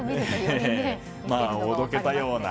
おどけたような。